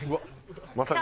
まさか。